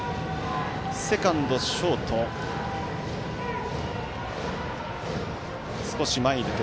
セカンド、ショート少し前に出て。